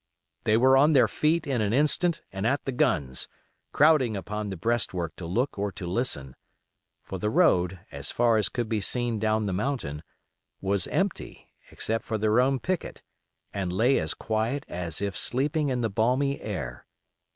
They were on their feet in an instant and at the guns, crowding upon the breastwork to look or to listen; for the road, as far as could be seen down the mountain, was empty except for their own picket, and lay as quiet as if sleeping in the balmy air.